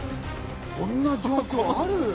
こんな状況ある！？